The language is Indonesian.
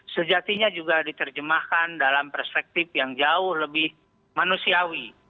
sejatinya juga diterjemahkan dalam perspektif yang jauh lebih manusiawi